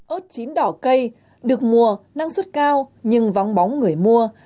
ơt chín đỏ cây được mùa năng suất cao nhưng vóng bóng người mua